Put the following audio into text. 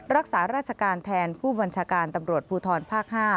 รักษาราชการแทนผู้บัญชาการตำรวจภูทรภาค๕